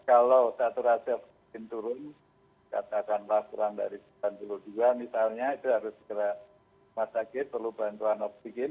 kalau saturasi vaksin turun katakanlah kurang dari sembilan puluh dua misalnya itu harus segera rumah sakit perlu bantuan oksigen